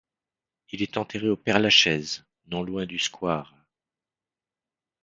Il est enterré au Père-Lachaise non loin du square.